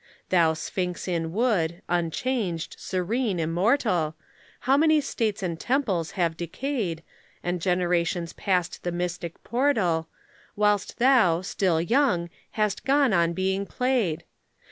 Thou Sphynx in wood, unchanged, serene, immortal, How many States and Temples have decayed And generations passed the mystic portal Whilst thou, still young, hast gone on being played?